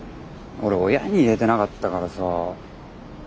俺親に言えてなかったからさ。